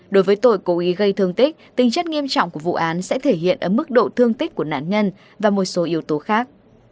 đối với tội cố ý gây thương tích tính chất nghiêm trọng của vụ án sẽ thể hiện ở mức độ thương tích của nạn nhân và một số yếu tố khác